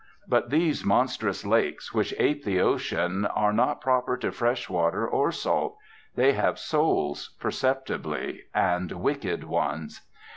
But these monstrous lakes, which ape the ocean, are not proper to fresh water or salt. They have souls, perceptibly, and wicked ones.